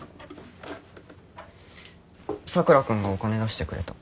佐倉君がお金出してくれた。